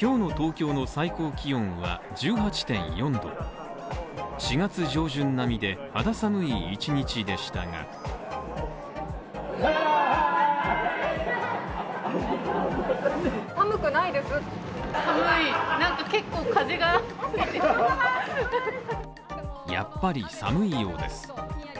今日の東京の最高気温は１８．４℃４月上旬並みで、肌寒い１日でしたがやっぱり寒いようです。